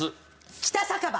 「北酒場」！